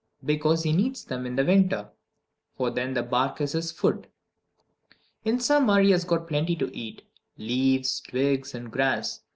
Because he needs them in winter for then the bark is his food! In summer he has plenty to eat leaves, twigs, and grass.